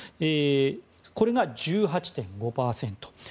これが１８．５％。